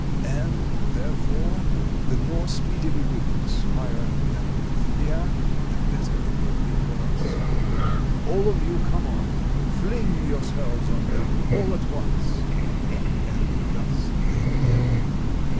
And, there fore, the more speedily we inspire them with fear, the better it will be for us. All of you come on! Fling your selves on them all at once!" And thus they did.